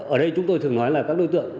ở đây chúng tôi thường nói là các đối tượng